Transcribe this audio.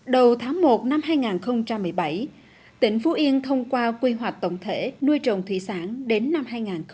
đầu tháng một năm hai nghìn một mươi bảy tỉnh phú yên thông qua quy hoạch tổng thể nuôi trồng thủy sản đến năm hai nghìn hai mươi